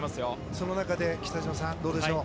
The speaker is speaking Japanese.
その中で、北島さんどうでしょう？